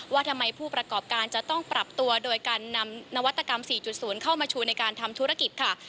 ว่าทำไมผู้ประกอบการจะต้องปรับตัวโดยการนำนวัตกรรม๔๐เข้ามาชูในการทำธุรกิจค่ะ